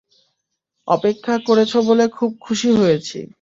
অপেক্ষা করেছ বলে খুব খুশি হয়েছি।